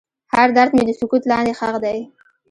هر درد مې د سکوت لاندې ښخ دی.